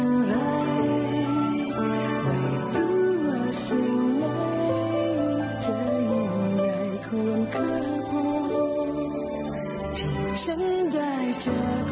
ควรข้าหวังที่ฉันได้จากเธอ